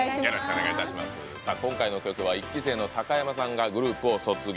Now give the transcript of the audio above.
今回の曲は１期生の高山さんがグループを卒業。